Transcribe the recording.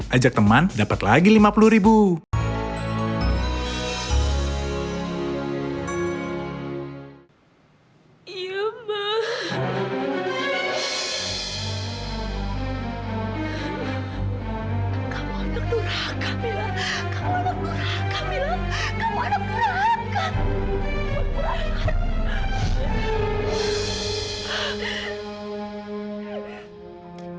ajak teman dapet lagi lima puluh ribu